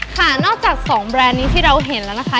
ค่ะนอกจาก๒แบรนด์นี้ที่เราเห็นแล้วนะคะ